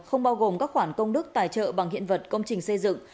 không bao gồm các khoản công đức tài trợ bằng hiện vật công trình xây dựng